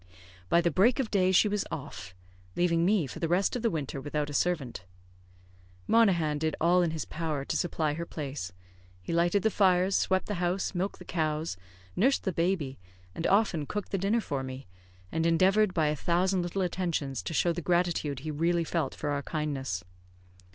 By the break of day she was off; leaving me for the rest of the winter without a servant. Monaghan did all in his power to supply her place; he lighted the fires, swept the house, milked the cows, nursed the baby, and often cooked the dinner for me, and endeavoured by a thousand little attentions to show the gratitude he really felt for our kindness.